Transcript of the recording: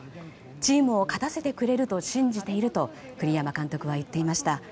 チームを勝たせてくれると信じていると栗山監督は言っていました。